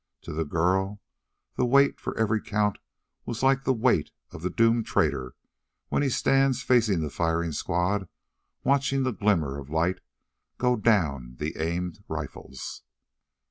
To the girl the wait for every count was like the wait of the doomed traitor when he stands facing the firing squad, watching the glimmer of light go down the aimed rifles.